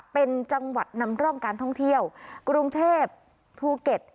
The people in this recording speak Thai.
เป็นจังหวัดนำร่องการท่องเที่ยวกรุงเทพภูเก็ต